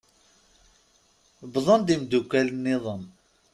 Wwḍen-d imddukal-nniḍen.